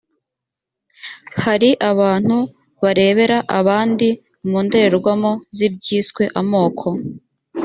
hari abantu barebera abandi mu ndorerwamo z’ibyiswe amoko